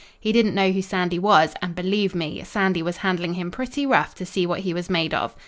He didn't know who Sandy was, and believe me, Sandy was handling him pretty rough to see what he was made of.